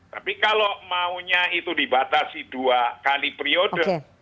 tapi kalau maunya itu dibatasi dua kali periode